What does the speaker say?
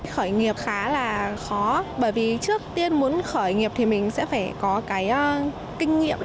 khởi nghiệp khá là khó bởi vì trước tiên muốn khởi nghiệp thì mình sẽ phải có cái kinh nghiệm